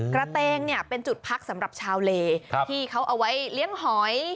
กระเตงเนี่ยเป็นจุดพักสำหรับชาวเลที่เขาเอาไว้เลี้ยงหอย